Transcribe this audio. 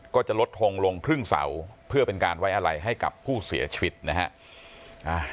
ก็จะลดทงลงครึ่งเสาเพื่อเป็นการไว้อะไรให้กับผู้เสียชีวิตนะฮะ